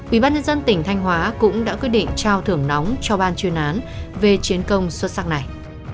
ubnd tỉnh thanh hóa cũng đã quyết định trao thưởng nóng cho ban chuyên án về chiến công xuất sắc này